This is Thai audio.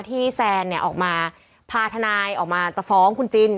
แซนเนี่ยออกมาพาทนายออกมาจะฟ้องคุณจิน